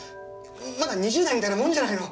まだ２０代みたいなもんじゃないの。